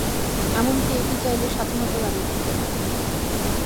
এমনকি এটি চাইলে স্বাধীনতা দাবী করতে পারে।